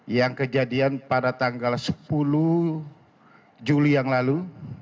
yang kejadian pada tanggal sepuluh juli yang lalu